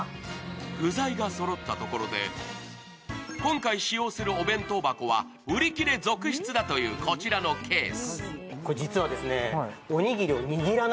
具材がそろったところで今回使用するお弁当箱は売り切れ続出だという、こちらのケース。